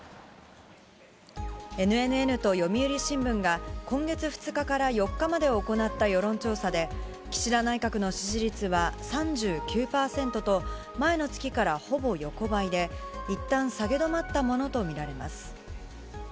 ＮＮＮと読売新聞が、今月２日から４日まで行った世論調査で、岸田内閣の支持率は３９％と、前の月からほぼ横ばいで、いったん下げ止まったものと見られます。